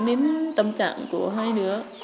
đến tâm trạng của hai đứa